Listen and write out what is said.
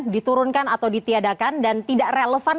diturunkan atau ditiadakan dan tidak relevan